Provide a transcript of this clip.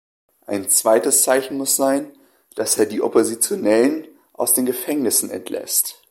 Ein zweites Zeichen muss sein, dass er die Oppositionellen aus den Gefängnissen entlässt.